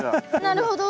なるほど。